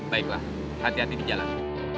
baiklah hati hati di jalan